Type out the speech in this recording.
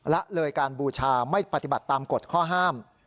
ละเลยการบูชาไม่ปฏิบัติตามกฎข้อห้าม